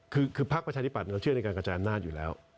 คือพักประชาธิบัตย์เราเชื่อในการกระจายอำนาจอยู่แล้ว